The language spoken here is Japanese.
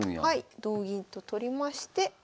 同銀と取りまして